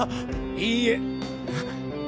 いいえ！え？